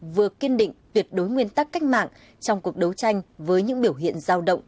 vừa kiên định tuyệt đối nguyên tắc cách mạng trong cuộc đấu tranh với những biểu hiện giao động